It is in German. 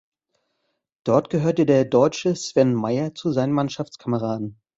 Dort gehörte der Deutsche Sven Meyer zu seinen Mannschaftskameraden.